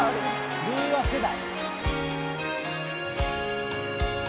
令和世代。